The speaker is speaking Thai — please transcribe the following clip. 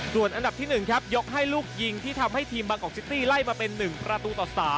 ส่วนอันดับที่๑ครับยกให้ลูกยิงที่ทำให้ทีมบางกอกซิตี้ไล่มาเป็น๑ประตูต่อ๓